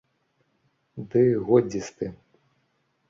Ды годзе з тым.